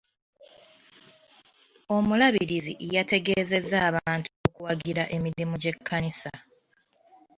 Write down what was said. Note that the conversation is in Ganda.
Omulabirizi yategezezza abantu okuwagira emirimu gy'ekkanisa.